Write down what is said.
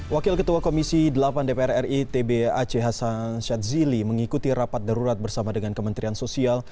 wakil ketua komisi delapan dpr ri tbac hasan syadzili mengikuti rapat darurat bersama dengan kementerian sosial